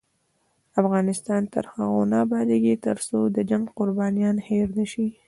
افغانستان تر هغو نه ابادیږي، ترڅو د جنګ قربانیان هیر نشي.